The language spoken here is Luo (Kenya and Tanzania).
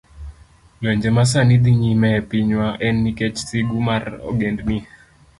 Lwenje ma sani dhi nyime e pinywa, en nikech sigu mar ogendni